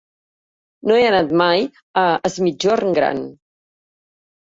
No he anat mai a Es Migjorn Gran.